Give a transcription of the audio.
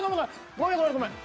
ごめんごめんごめん。